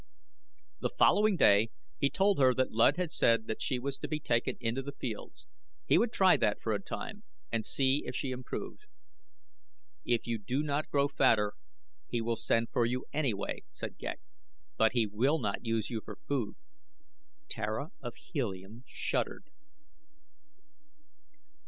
The following day he told her that Luud had said that she was to be taken into the fields. He would try that for a time and see if she improved. "If you do not grow fatter he will send for you anyway," said Ghek; "but he will not use you for food." Tara of Helium shuddered.